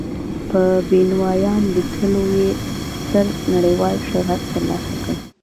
په بینوایان لیکلو یې ستر نړیوال شهرت تر لاسه کړی.